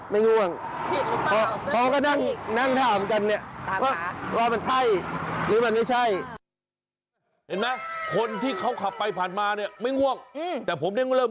มันทำให้เราหายง่วงไหมครับ